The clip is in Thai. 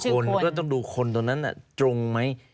คนก็ต้องดูคนตรงนั้นตรงไหม